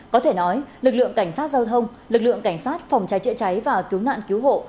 có thể nói lực lượng cảnh sát giao thông lực lượng cảnh sát phòng cháy chữa cháy và cứu nạn cứu hộ